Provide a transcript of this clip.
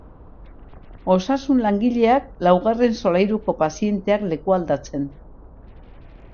Osasun-langileak laugarren solairuko pazienteak lekualdatzen.